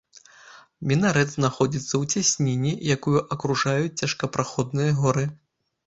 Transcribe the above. Мінарэт знаходзіцца ў цясніне, якую акружаюць цяжкапраходныя горы.